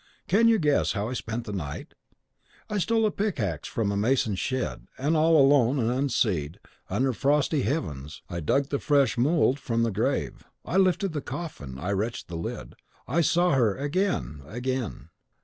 Can you guess how I spent that night? I stole a pickaxe from a mason's shed, and all alone and unseen, under the frosty heavens, I dug the fresh mould from the grave; I lifted the coffin, I wrenched the lid, I saw her again again!